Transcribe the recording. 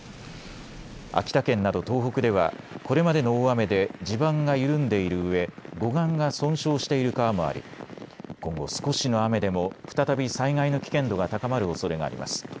秋田県など東北では、これまでの大雨で地盤が緩んでいるうえ護岸が損傷している川もあり今後、少しの雨でも再び災害の危険度が高まるおそれがあります。